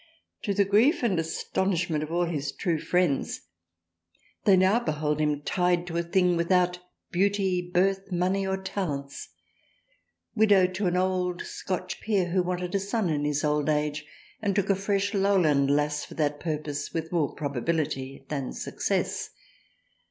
To the grief and astonishment of all his true friends they now behold him tied to a thing without Beauty Birth Money or Talents, widow to an old Scotch Peer who wanted a son in his old age and took a fresh lowland lass for that purpose with more Probability than success.